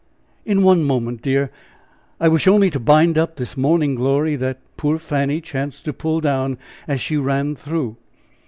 "In one moment, dear; I wish only to bind up this morning glory, that poor Fanny chanced to pull down as she ran through."